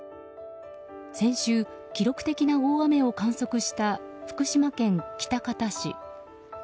先週、記録的な大雨を観測した福島県喜多方市。